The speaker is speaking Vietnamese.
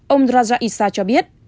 ông raja issa cho biết